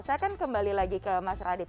saya akan kembali lagi ke mas radit